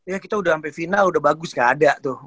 ya kita udah sampai final udah bagus gak ada tuh